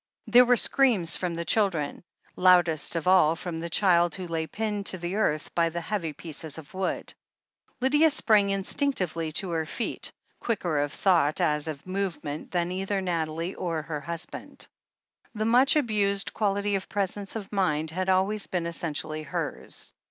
There were screams from the children, loudest of all from the child who lay pinned to the earth by the heavy pieces of wood. Lydia sprang instinctively to her feet, quicker of 348 THE HEEL OF ACHILLES thought, as of movement, than either Nathalie or her husband. The much abused quality of presence of mind had always been essentially hers.